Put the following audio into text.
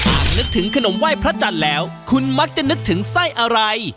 นึกถึงขนมไหว้พระจันทร์แล้วคุณมักจะนึกถึงไส้อะไร